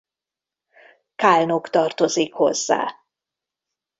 Kálnok tartozik hozzá.